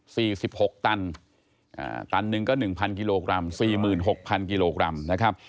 สิบหกตันอ่าตันหนึ่งก็หนึ่งพันกิโลกรัมสี่หมื่นหกพันกิโลกรัมนะครับ